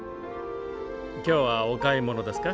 今日はお買い物ですか？